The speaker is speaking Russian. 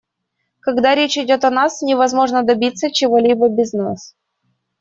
Когда речь идет о нас, невозможно добиться чего-либо без нас.